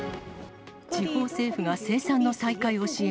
地方政府が生産の再開を支援。